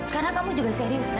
karena kamu juga serius kan